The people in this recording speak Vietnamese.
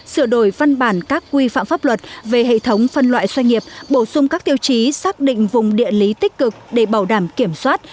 sửa đổi văn bản các quy phạm pháp luật về hệ thống phân loại xoay nghiệp bổ sung các tiêu chí xác định vùng địa lý tích cực để bảo đảm kiểm soát